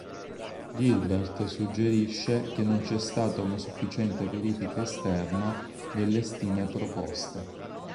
Gilbert suggerisce che non c'è stata una sufficiente verifica esterna delle stime proposte.